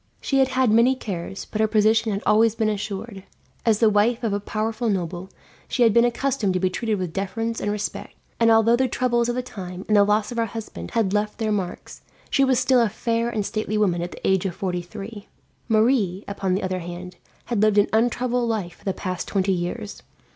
She had had many cares, but her position had always been assured; as the wife of a powerful noble she had been accustomed to be treated with deference and respect, and although the troubles of the times and the loss of her husband had left their marks, she was still a fair and stately woman at the age of forty three. Marie, upon the other hand, had lived an untroubled life for the past twenty years.